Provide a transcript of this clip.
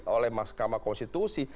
oleh mahkamah konstitusi